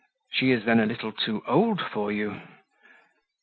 "She is then a little too old for you?"